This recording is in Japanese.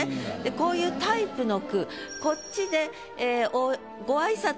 こういうタイプの句こっちで。